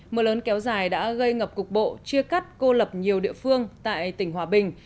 mưa lớn kéo dài đã gây ngập cục bộ chia cắt cô lập nhiều địa phương tại tỉnh hòa bình